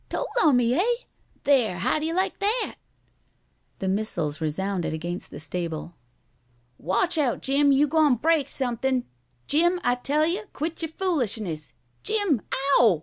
Told on me, hey! There! How do you like that?" The missiles resounded against the stable. "Watch out, Jim! You gwine break something, Jim, I tell yer! Quit yer foolishness, Jim! Ow!